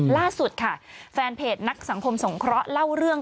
ล่าสุดค่ะแฟนเพจนักสังคมสงเคราะห์เล่าเรื่อง